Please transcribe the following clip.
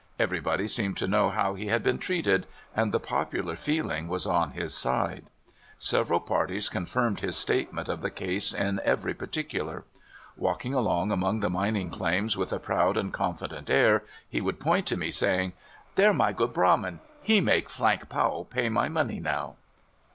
Every body seemed to know how he had been treated, and the popular feeling was on his side. Several CISSAHA. 15 parties confirmed his statement of the case in every particuhir. Walking along among the mining claims, with a proud and coniident air he would point to me, saying: " There my good brahmin — he make Flank Powell pay my money now."